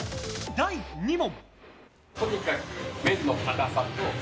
第２問！